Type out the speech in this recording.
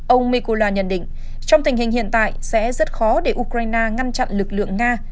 ông mekola nhận định trong tình hình hiện tại sẽ rất khó để ukraine ngăn chặn lực lượng nga